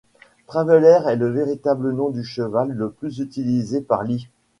Traveller est le véritable nom du cheval le plus utilisé par Lee.